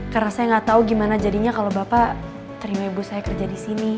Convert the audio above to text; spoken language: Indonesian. karena saya gak tau gimana jadinya kalo bapak terima ibu saya kerja di sini